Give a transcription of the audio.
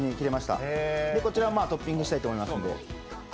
こちら、トッピングしたいと思いますので。